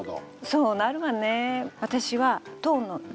そうなるわね。